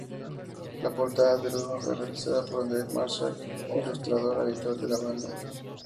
La portada del álbum fue realizada por Andreas Marschall, ilustrador habitual de la banda.